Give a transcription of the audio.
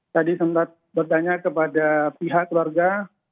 tadi sempat bertanya kepada pihak keluarga